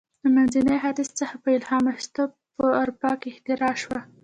له منځني ختیځ څخه په الهام اخیستو په اروپا کې اختراع شوه.